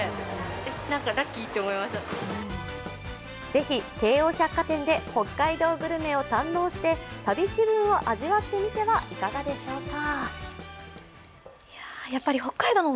ぜひ京王百貨店で北海道グルメを堪能して旅気分を味わってみてはいかがでしょうか。